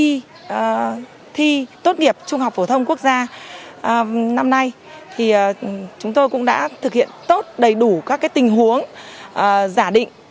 khi thi tốt nghiệp trung học phổ thông quốc gia năm nay thì chúng tôi cũng đã thực hiện tốt đầy đủ các tình huống giả định